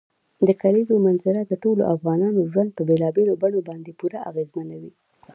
د کلیزو منظره د ټولو افغانانو ژوند په بېلابېلو بڼو باندې پوره اغېزمنوي.